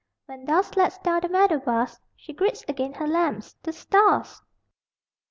When dusk lets down the meadow bars She greets again her lambs, the stars!